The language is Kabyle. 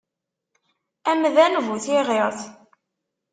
Amdan bu tiɣiṛt.